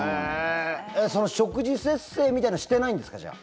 その食事節制みたいのはしてないんですか？